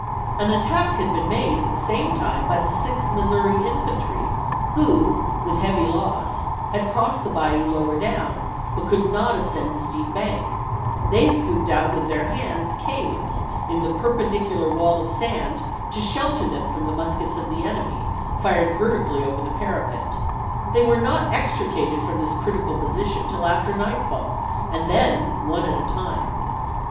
An attack had been made at the same time by the Sixth Missouri Infantry, who, with heavy loss, had crossed the bayou lower down, but could not ascend the steep bank ; they scooped out with their hands caves in the perpendicular wall of sand to shelter them from the muskets of the enemy, fired vertically over the parapet. They were not extri cated from this critical position till after nightfall, and then one at a time.